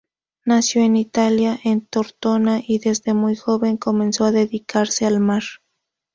Nació en Italia, en Tortona, y desde muy joven comenzó a dedicarse al mar.